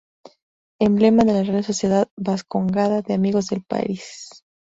Emblema de la Real Sociedad Bascongada de Amigos del País.